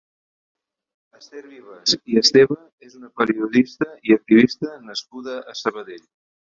Esther Vivas i Esteve és una periodista i activista nascuda a Sabadell.